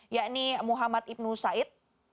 yakni muhammad ibnu said